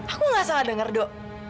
aku gak salah denger ndo